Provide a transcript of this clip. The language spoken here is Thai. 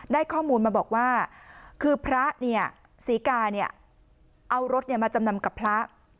ได้ข้อมูลมาบอกว่าคือพระเนี่ยศรีกาเนี่ยเอารถมาจำนำกับพระ